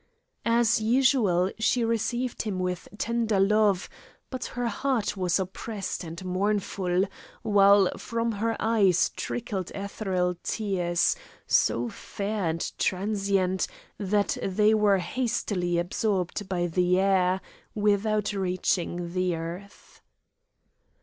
As usual, she received him with tender love, but her heart was oppressed and mournful, while from her eyes trickled ethereal tears, so fair and transient, that they were hastily absorbed by the air, without reaching the earth.